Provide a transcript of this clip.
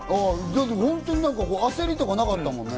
本当に焦りとかなかったもんね。